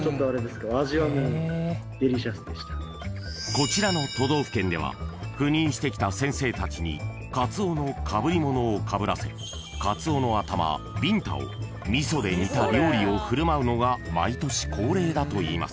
［こちらの都道府県では赴任してきた先生たちにカツオのかぶりものをかぶらせカツオの頭ビンタを味噌で煮た料理を振る舞うのが毎年恒例だといいます］